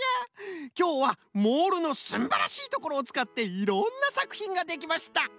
きょうはモールのすんばらしいところをつかっていろんなさくひんができました。